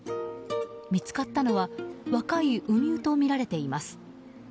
見つかったのは若いウミウとみられています。